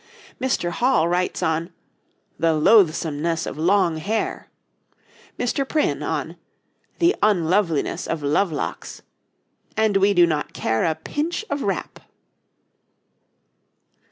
Mr. Hall writes on 'The Loathsomeness of Long Hair,' Mr. Prynne on 'The Unloveliness of Lovelocks,' and we do not care a pinch of rappe.